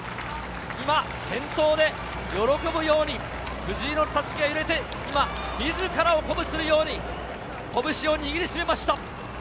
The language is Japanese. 今、先頭で喜ぶように藤色の襷が揺れて、自らを鼓舞するように、拳を握り締めました。